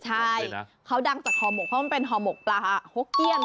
ใช่เขาดังจากห่อหมกเพราะมันเป็นห่อหมกปลาหกเกี้ยน